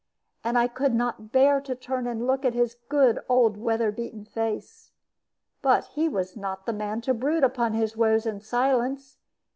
And I could not bear to turn and look at his good old weather beaten face. But he was not the man to brood upon his woes in silence.